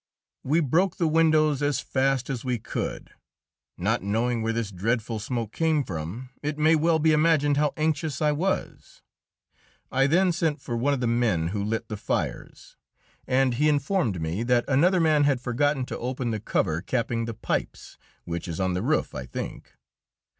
We broke the windows as fast as we could. Not knowing where this dreadful smoke came from, it may well be imagined how anxious I was. I then sent for one of the men who lit the fires, and he informed me that another man had forgotten to open the cover capping the pipes, which is on the roof, I think.